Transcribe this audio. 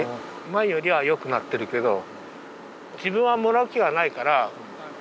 前よりはよくなってるけど自分はもらう気はないから。